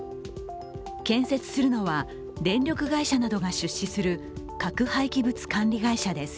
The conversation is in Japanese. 建設するのは、電力会社などが出資する核廃棄物管理会社です。